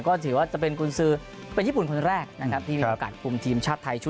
ก็ถือว่าจะเป็นคุณซื้อเป็นญี่ปุ่นคนแรกนะครับ